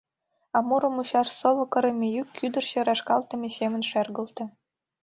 А муро мучаш сово кырыме йӱк кӱдырчӧ рашкалтыме семын шергылте.